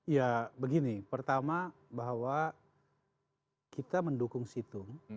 ya begini pertama bahwa kita mendukung situng